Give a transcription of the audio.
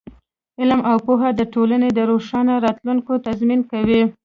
علم او پوهه د ټولنې د روښانه راتلونکي تضمین کوي.